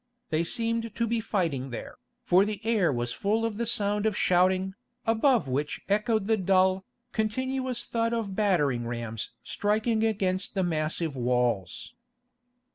They seemed to be fighting there, for the air was full of the sound of shouting, above which echoed the dull, continuous thud of battering rams striking against the massive walls.